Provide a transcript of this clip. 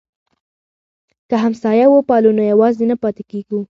که همسایه وپالو نو یوازې نه پاتې کیږو.